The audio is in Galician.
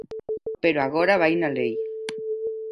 Pero agora vai na lei.